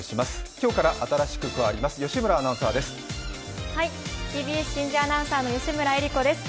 今日から新しく加わります、吉村アナウンサーです。